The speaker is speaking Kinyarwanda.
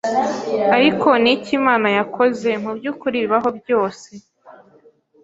Ariko ni iki Imana yakoze mubyukuri bibaho byose